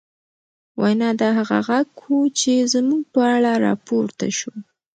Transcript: وينا، دا هغه غږ و، چې زموږ په اړه راپورته شو